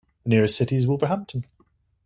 The nearest city is Wolverhampton.